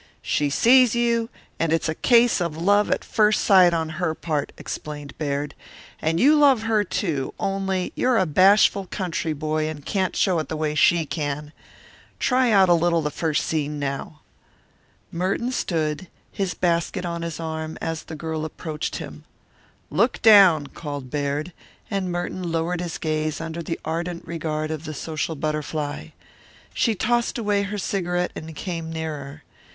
"She sees you, and it's a case of love at first sight on her part," explained Baird. "And you love her, too, only you're a bashful country boy and can't show it the way she can. Try out a little first scene now." Merton stood, his basket on his arm, as the girl approached him. "Look down," called Baird, and Merton lowered his gaze under the ardent regard of the social butterfly. She tossed away her cigarette and came nearer.